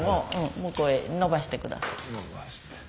向こうへ延ばしてください。